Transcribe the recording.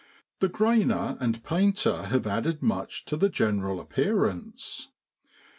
The grainer and painter have added much to the general appearance.